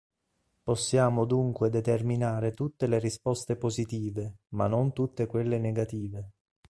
Possiamo dunque determinare tutte le risposte positive, ma non tutte quelle negative.